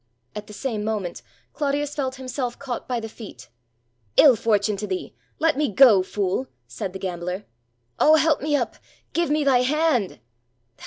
At the same moment, Clodius felt himself caught by the feet. ''Ill fortune to thee, — let me go, fool!" said the gambler. " "Oh, help me up! — give me thy hand!"